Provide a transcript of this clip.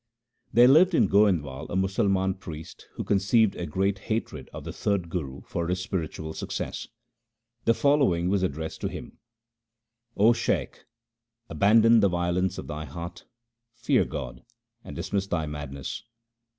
There lived at Goindwal a Musalman priest who conceived a great hatred of the third Guru for his spiritual success. The following was addressed to him :— O Shaikh, abandon the violence of thy heart, fear God, and dismiss thy madness.